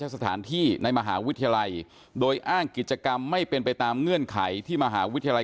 สถานที่ในมหาวิทยาลัยโดยอ้างกิจกรรมไม่เป็นไปตามเงื่อนไขที่มหาวิทยาลัย